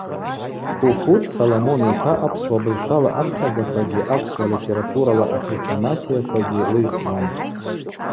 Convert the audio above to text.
Хухутӏ Соломон йпа апсуа бызшвала апхьагаквагьи апсуа литературала ахрестоматияквагьи лыйхуан.